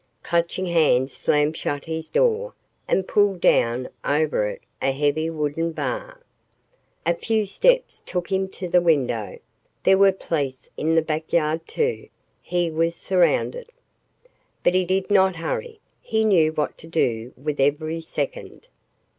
Clutching Hand slammed shut his door and pulled down over it a heavy wooden bar. A few steps took him to the window. There were police in the back yard, too. He was surrounded. But he did not hurry. He knew what to do with every second.